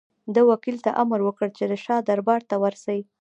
ده وکیل ته امر وکړ چې د شاه دربار ته ورسي.